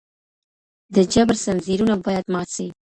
د جبر ځنځيرونه بايد مات سي.